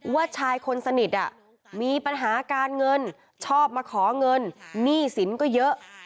ว่าชายคนสนิทมีปัญหาการเงินชอบมาขอเงินหนี้สินก็เยอะ